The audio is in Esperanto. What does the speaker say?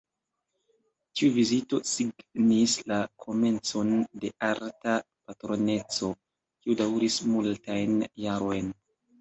Tiu vizito signis la komencon de arta patroneco, kiu daŭris multajn jarojn.